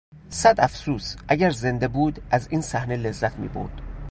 صد افسوس، اگر زنده بود از این صحنه لذت میبرد.